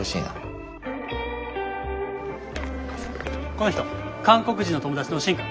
この人韓国人の友達のシン君。